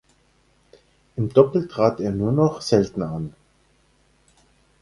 Im Doppel trat er nur noch selten an.